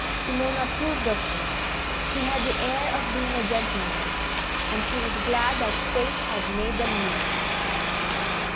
Simone approved of him. He had the air of being a gentleman, and she was glad that fate had made them meet.